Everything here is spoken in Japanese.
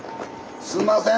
すんません